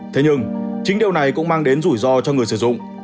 thế nhưng chính điều này cũng mang đến rủi ro cho người sử dụng